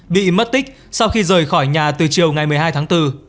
bị mất tích sau khi rời khỏi nhà từ chiều ngày một mươi hai tháng bốn